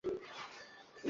আরে আয় তো।